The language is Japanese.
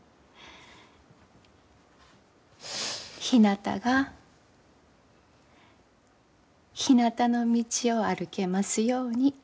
ひなたが「ひなたの道」を歩けますように。